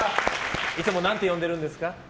いつも何て読んでるんですか？